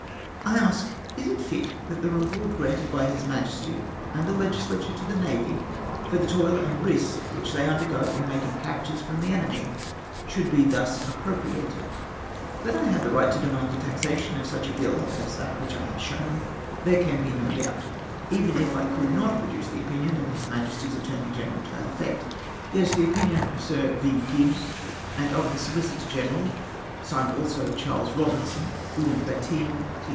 I ask, is it fit that the reward granted by His Majesty and the legisla, ture to the navy, for the toil and risk which they imdergo in making captures from the enemy, sliould be thus appropriated ?" That I had a right to demand the taxation of such a bill as that which I have shown there can be no doubt, even if I could not produce the opinion of His Majesty's Attorney Greneral to that effect. Yes, the opinion of Sir V. Gibbs, and of the Solicitor General, signed also Charles Eobinson, Wil liam Battine, T.